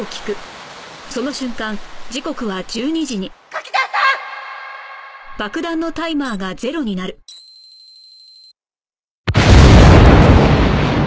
柿沢さんっ！